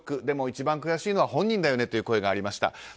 でも、一番悔しいのは本人だよねという声がありました。